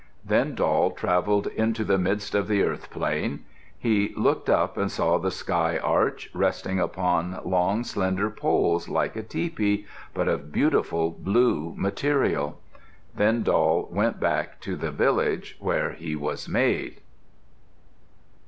Then Doll travelled into the midst of the earth plain. He looked up and saw the sky arch, resting upon long, slender poles, like a tepee, but of beautiful blue material. Then Doll went back to the village where he was made.